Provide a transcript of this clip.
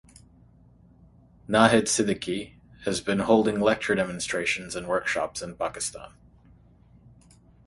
Nahid Siddiqui has been holding lecture demonstrations and workshops in Pakistan.